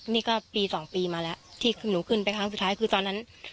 นี่ก็ปี๒ปีมาแล้วที่หนูขึ้นไปครั้งสุดท้ายคือตอนนั้น